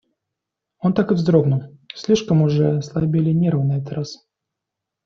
Он так и вздрогнул, слишком уже ослабели нервы на этот раз.